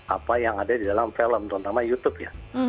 apa yang ada di dalam film terutama youtube ya